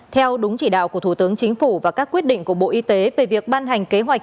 theo đúng chỉ đạo của thủ tướng chính phủ và các quyết định của bộ y tế về việc ban hành kế hoạch